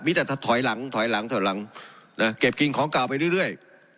มีแต่ถอยหลังถอยหลังเก็บกินของกล่าวไปเรื่อย